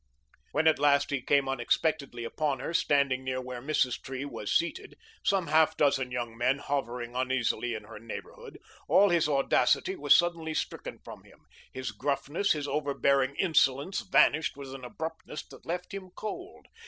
When at last he came unexpectedly upon her, standing near where Mrs. Tree was seated, some half dozen young men hovering uneasily in her neighbourhood, all his audacity was suddenly stricken from him; his gruffness, his overbearing insolence vanished with an abruptness that left him cold.